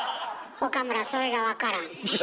岡村それが分からんねん。